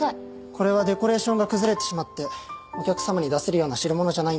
これはデコレーションが崩れてしまってお客様に出せるような代物じゃないんで。